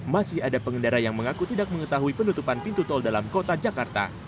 masih ada pengendara yang mengaku tidak mengetahui penutupan pintu tol dalam kota jakarta